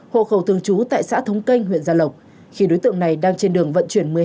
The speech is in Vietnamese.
hộ khẩu thường trú tại xã thống canh huyện gia lộc khi đối tượng này đang trên đường vận chuyển